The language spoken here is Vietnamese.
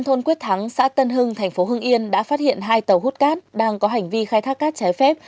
thôn quyết thắng xã tân hưng thành phố hưng yên đã phát hiện hai tàu hút cát đang có hành vi khai thác cát trái phép